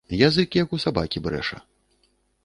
Язык як у сабакі брэша.